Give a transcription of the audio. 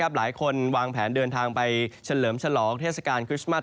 หลายคนวางแผนเดินทางไปเฉลิมฉลองเทศกาลคริสต์มัส